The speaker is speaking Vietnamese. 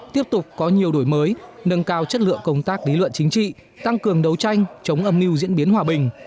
tiếp tục có nhiều đổi mới nâng cao chất lượng công tác lý luận chính trị tăng cường đấu tranh chống âm mưu diễn biến hòa bình